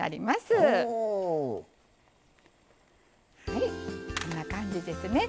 はいこんな感じですね。